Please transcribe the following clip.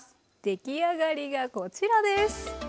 出来上がりがこちらです。